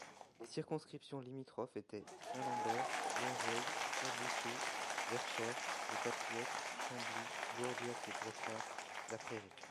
Les circonscriptions limitrophes était Saint-Lambert, Longueuil—Pierre-Boucher, Verchères—Les Patriotes, Chambly—Borduas et Brossard—La Prairie.